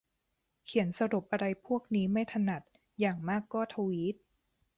เขียนสรุปอะไรพวกนี้ไม่ถนัด อย่างมากก็ทวีต